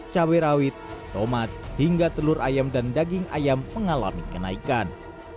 cabai rawit tomat hingga telur ayam dan daging ayam mengalami kenaikan